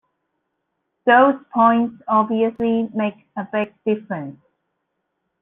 Those points obviously make a big difference.